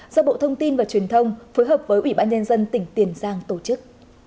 do bộ thông tin và truyền thông phối hợp với ủy ban nhân dân tỉnh tiền giang tổ chức